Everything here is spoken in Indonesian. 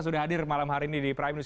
sudah hadir malam hari ini di prime news